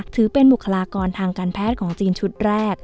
ถือเป็นบุคลากรทางการแพทย์ของจีนชุดแรก